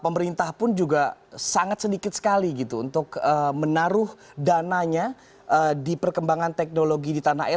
pemerintah pun juga sangat sedikit sekali gitu untuk menaruh dananya di perkembangan teknologi di tanah air